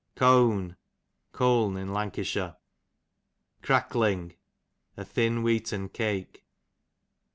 Cown, Colne in Lancashire. Crackling, a thin wheaten cake.